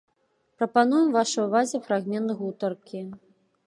Прапануем вашай увазе фрагмент гутаркі.